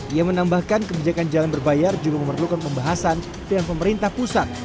ia menambahkan kebijakan jalan berbayar juga memerlukan pembahasan dengan pemerintah pusat